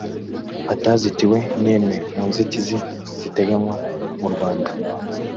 batazitiwe n imwe mu nzitizi ziteganywa murwanda